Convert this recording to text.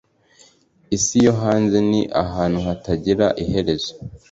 isi yo hanze ni ahantu hatagira iherezo